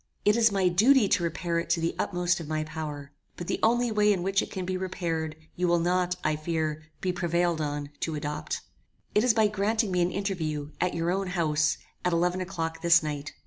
It is my duty to repair it to the utmost of my power, but the only way in which it can be repaired, you will not, I fear, be prevailed on to adopt. It is by granting me an interview, at your own house, at eleven o'clock this night.